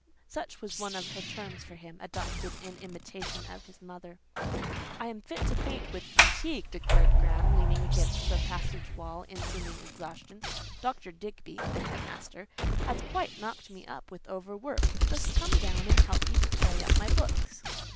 (such was one of her terms for him, adopted in imitation of his mother.) "I am fit to faint with fatigue," declared Graham, leaning against the passage wall in seeming exhaustion. "Dr. Digby" (the headmaster) "has quite knocked me up with overwork. Just come down and help me to carry up my books."